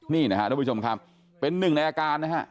นี่นะครับทุกผู้ชมครับเป็นหนึ่งในอาการนะฮะ